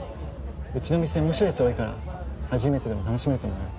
うちの店面白いやつ多いから初めてでも楽しめると思うよ。